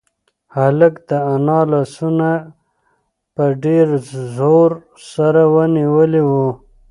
هلک د انا لاسونه په ډېر زور سره نیولي وو.